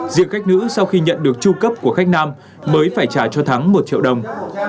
diện khách nữ sau khi nhận được tru cấp của khách nam mới phải trả cho thắng một triệu đồng